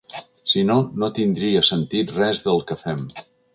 Si no, no tindria sentit res del que fem.